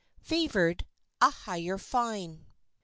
FAVORED A HIGHER FINE.